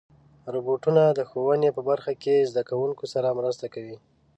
روبوټونه د ښوونې په برخه کې زدهکوونکو سره مرسته کوي.